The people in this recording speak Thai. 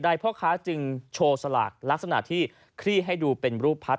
พ่อค้าจึงโชว์สลากลักษณะที่คลี่ให้ดูเป็นรูปพัด